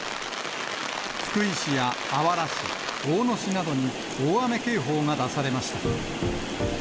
福井市やあわら市、大野市などに大雨警報が出されました。